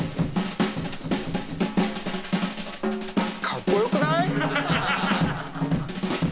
かっこよくない？